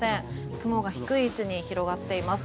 雲が低い位置に広がっています。